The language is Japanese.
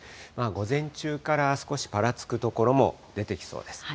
午前中から少しぱらつく所も出てきそうです。